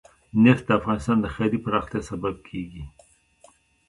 نفت د افغانستان د ښاري پراختیا سبب کېږي.